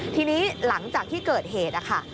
ทีนี้หลังจากที่เกิดเหตุนะคะ